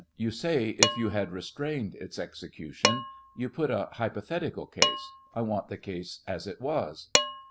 You say if you had restrained its execution ; you put a hypothetical case ; I want the case as it was